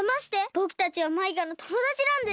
ぼくたちはマイカのともだちなんです！